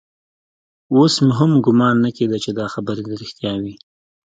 اوس مې هم ګومان نه کېده چې دا خبرې دې رښتيا وي.